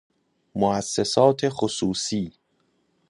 موُسسات خصوصی